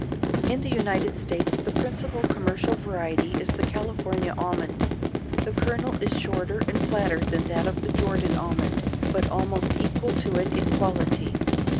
In the United States the principal commercial variety is the California almond. The kernel is shorter and flatter than that of the Jordan almond, but almost equal to it in quality.